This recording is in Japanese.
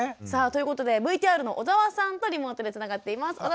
さあということでＶＴＲの小澤さんとリモートでつながっています。